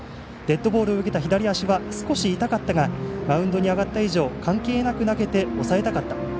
デッドボールを受けた左足は少し痛かったがマウンドに上がった以上関係なく投げて抑えたかった。